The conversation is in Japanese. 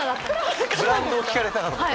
ブランドを聞かれたかと思った。